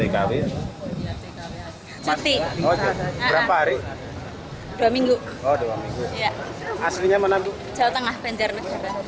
kerja di sana atau gimana